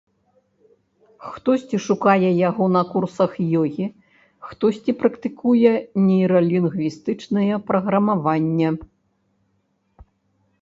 Хтосьці шукае яго на курсах ёгі, хтосьці практыкуе нейралінгвістычнае праграмаванне.